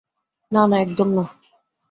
না, না, একদম না।